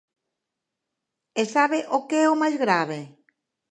¿E sabe o que é o máis grave?